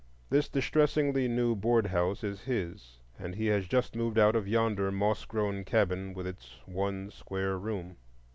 This distressingly new board house is his, and he has just moved out of yonder moss grown cabin with its one square room.